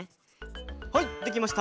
はいできました！